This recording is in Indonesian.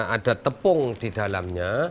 ada tepung di dalamnya